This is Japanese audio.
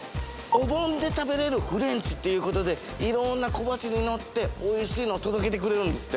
おぼんで食べれるフレンチということでいろんな小鉢にのっておいしいのを届けてくれるんですって。